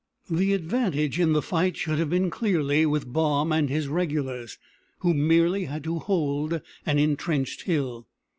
The advantage in the fight should have been clearly with Baum and his regulars, who merely had to hold an intrenched hill.